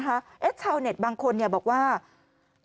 บางคนบอกว่าคุณพ่อตอนนี้คุณคุณต้องการอย่างนี้ข่ะ